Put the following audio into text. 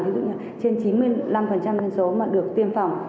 thí dụ như trên chín mươi năm dân số mà được tiêm phòng